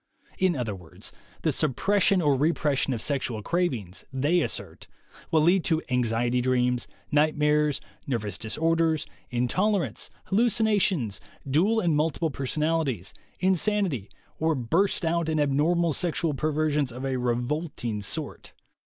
In other words, the suppression or repression of sexual cravings, they assert, will lead to anxiety dreams, nightmares, nervous disorders, intolerance, hallucin ations, dual and multiple personalities, insanity, or burst out in abnormal sexual perversions of a revolting sort.